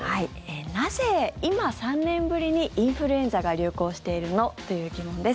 なぜ今、３年ぶりにインフルエンザが流行しているの？という疑問です。